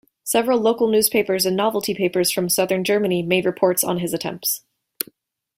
Several local newspapers and novelty papers from Southern Germany made reports on his attempts.